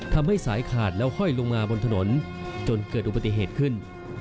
ทำให้สายขาดแล้วห้อยลงมาบนถนนจนเกิดอุบัติเหตุขึ้น